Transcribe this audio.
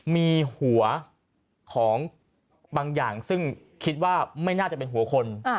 มีหัวของบางอย่างซึ่งคิดว่าไม่น่าจะเป็นหัวคน